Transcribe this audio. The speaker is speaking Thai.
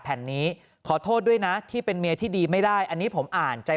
แผ่นนี้ขอโทษด้วยนะที่เป็นเมียที่ดีไม่ได้อันนี้ผมอ่านใจ